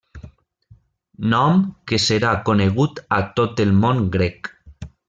Nom que serà conegut a tot el món grec.